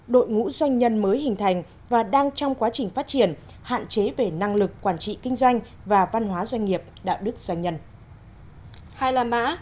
đội ngũ doanh nhân mới hình thành và đang trong quá trình phát triển hạn chế về năng lực quản trị kinh doanh và văn hóa doanh nghiệp đạo đức doanh nhân